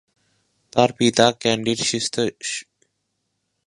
তার পিতা ক্যান্ডি’র শীর্ষস্থানীয় আইনজীবী।